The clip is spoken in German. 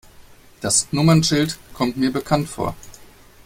Das Nummernschild kommt mir bekannt vor.